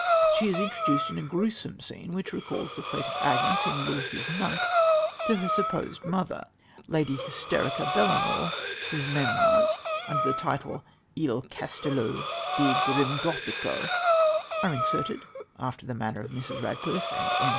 She is introduced in a gruesome scene, which recalls the fate of Agnes in Lewis's Monk, to her supposed mother, Lady Hysterica Belamour, whose memoirs, under the title Il Castello di Grimgothico, are inserted, after the manner of Mrs. Radcliffe and M.